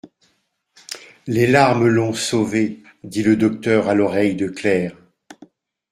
Les larmes l'ont sauvé, dit le docteur à l'oreille de Claire.